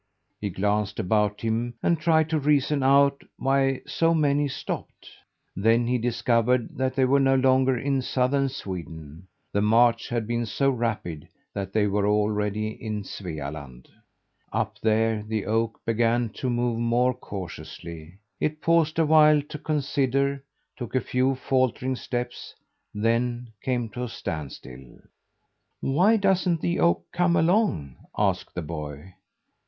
He glanced about him and tried to reason out why so many stopped. Then he discovered that they were no longer in southern Sweden. The march had been so rapid that they were already in Svealand. Up there the oak began to move more cautiously. It paused awhile to consider, took a few faltering steps, then came to a standstill. "Why doesn't the oak come along?" asked the boy.